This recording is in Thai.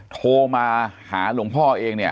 โทรมาหาหลวงพ่อเองเนี่ย